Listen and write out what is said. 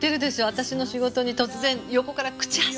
私の仕事に突然横から口挟まないで。